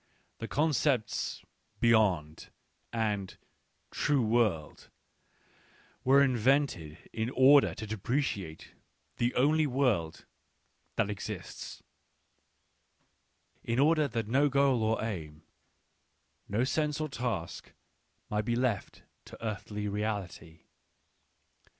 The concepts " beyond " and " true world " were invented in order to depreciate the only world that exists — in order that no goal or aim, no sense or task, might be left to earthly reality.